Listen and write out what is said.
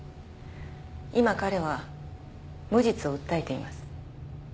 今彼は無実を訴えています。